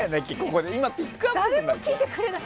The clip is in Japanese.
誰も聞いてくれない。